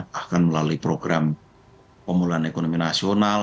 bahkan melalui program pemulihan ekonomi nasional